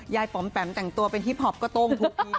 ยายปำแปำแต่งตัวเป็นฮิ็พพอปก็โต่งถูกดี